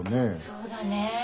そうだねぇ。